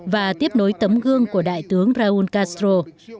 và tiếp nối tấm gương của đại tướng raúl castro